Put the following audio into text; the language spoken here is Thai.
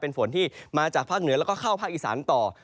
เป็นฝนที่มาจากภาคเหนือแล้วก็เข้าภาคอีสานต่อ